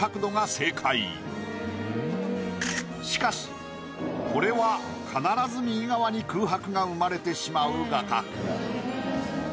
しかしこれは必ず右側に空白が生まれてしまう画角。